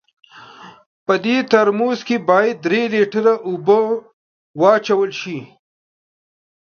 په دې ترموز کې باید درې لیټره اوبه واچول سي.